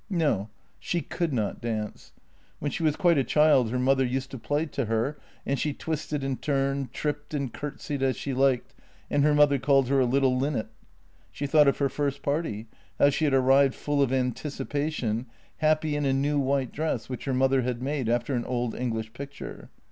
No, she could not dance. When she was quite a child her mother used to play to her, and she twisted and turned, tripped and curtseyed as she liked, and her mother called her a little linnet. She thought of her first party, how she had arrived full of anticipation, happy in a new white dress which her mother had made after an old English picture.